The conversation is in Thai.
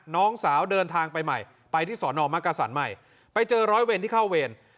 น้องสาวเดินทางไปใหม่ไปที่สอนอมักกษันใหม่ไปเจอร้อยเวรที่เข้าเวร